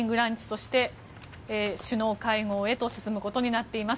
そして首脳会合へ進むことになっています。